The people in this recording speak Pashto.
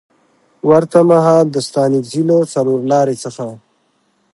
ورته مهال د ستانکزي له څلورلارې څخه